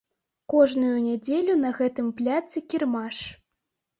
Кожную нядзелю на гэтым пляцы кірмаш.